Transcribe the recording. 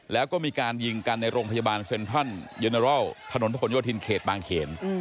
แล้วก็มีการยิงกันในโรงพยาบาลเฟรนทรัลทพยทินเกษบางเขน